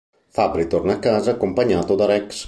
Fabbri torna a casa, accompagnato da Rex.